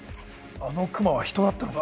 あのクマは、人だったのか。